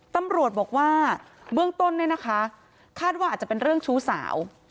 ตำรวจบอกว่าเบื้องต้นเนี่ยนะคะคาดว่าอาจจะเป็นเรื่องชู้สาว